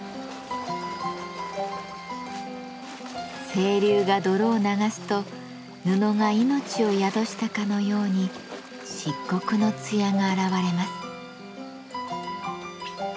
清流が泥を流すと布が命を宿したかのように漆黒の艶が現れます。